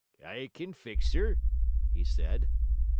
"I can fix her," he said.